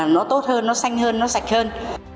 nó tốt hơn nó xanh hơn nó sạch hơn